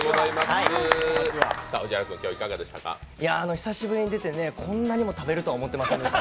久しぶりに出てこんなにも食べるとは思ってませんでした。